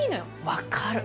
分かる！